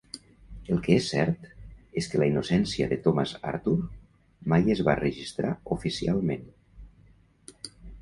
El que és cert és que la innocència de Thomas Arthur mai es va registrar oficialment.